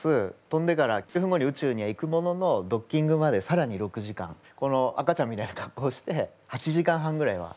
飛んでから数分後に宇宙には行くもののドッキングまでさらに６時間この赤ちゃんみたいな格好して８時間半ぐらいはずっと過ごすんですね。